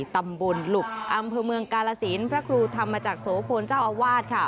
ตำบลหลุบอำเภอเมืองกาลสินพระครูธรรมจักรโสพลเจ้าอาวาสค่ะ